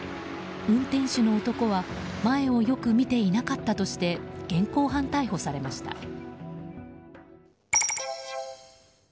運転手の男は前をよく見ていなかったとして現行犯逮捕されました。